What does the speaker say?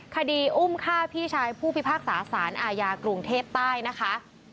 คดีอุ้มฆ่าพี่ชายผู้พิพากษาสารอาญากรุงเทพใต้นะคะ